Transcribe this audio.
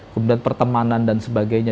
kemudian pertemanan dan sebagainya